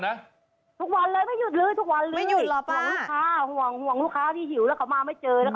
สามสิบบอโอเคไหม